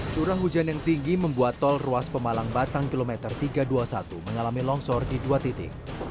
curah hujan yang tinggi membuat tol ruas pemalang batang kilometer tiga ratus dua puluh satu mengalami longsor di dua titik